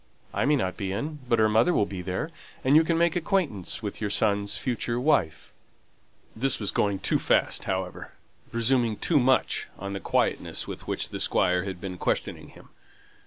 I may not be in; but her mother will be there, and you can make acquaintance with your son's future wife." This was going too fast, however; presuming too much on the quietness with which the Squire had been questioning him.